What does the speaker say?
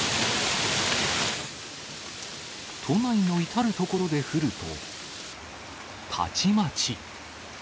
都内の至る所で降ると、たちまち。